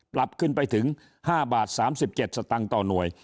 ปรับขึ้นไปถึง๕๓๗บาทต่อหน่วย